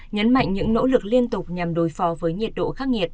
nhấn mạnh những nỗ lực liên tục nhằm đối phó với nhiệt độ khắc nghiệt